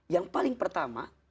yang paling pertama